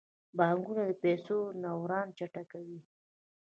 بانکونه د پیسو دوران چټکوي.